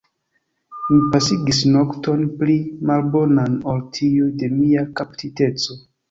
Mi pasigis nokton pli malbonan ol tiuj de mia kaptiteco.